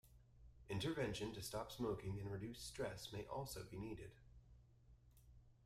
Intervention to stop smoking and reduce stress may also be needed.